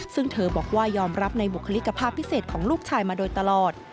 ซึ่งเธอบอกว่ายอมรับในบุคลิกภาพพิเศษของลูกชายมาโดยตลอด